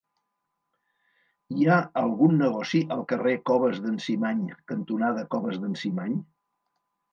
Hi ha algun negoci al carrer Coves d'en Cimany cantonada Coves d'en Cimany?